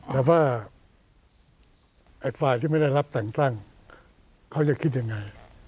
แต่ว่าไอ้ฝ่ายที่ไม่ได้รับแต่งตั้งเขาจะคิดยังไง